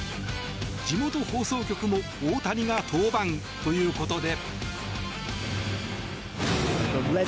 地元放送局も大谷が登板ということで。